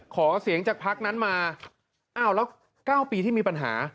ขอเสียงจากพักนั้นมาอ้าวแล้ว๙ปีที่มีปัญหา